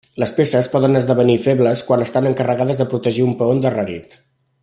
Les peces poden esdevenir febles quan estan encarregades de protegir un peó endarrerit.